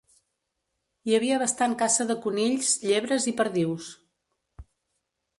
Hi havia bastant caça de conills, llebres i perdius.